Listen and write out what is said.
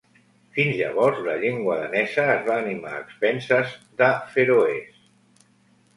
Fins llavors la llengua danesa es va animar a expenses de feroès.